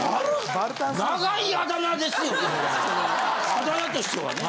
あだ名としてはね。